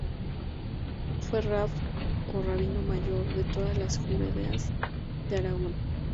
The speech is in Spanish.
Fue rab o Rabino Mayor de todas las juderías de Aragón.